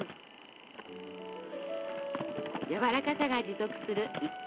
やわらかさが持続する一等